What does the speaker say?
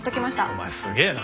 お前すげえな。